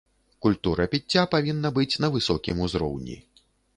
Культура піцця павінна быць на высокім узроўні.